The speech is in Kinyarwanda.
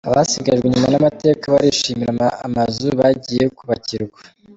Abasigajwe inyuma n’amateka barishimira amazu bagiye kubakirwa